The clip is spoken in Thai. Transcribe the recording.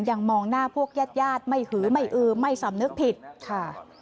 มองหน้าพวกญาติญาติไม่หือไม่อือไม่สำนึกผิดค่ะ